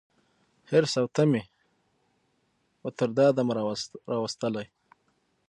حرص او تمي وو تر دامه راوستلی